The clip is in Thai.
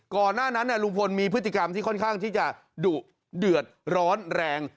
ก่อนหน้านั้นลุงพลมีพฤติกรรมที่ค่อนข้างที่จะดุเดือดร้อนแรง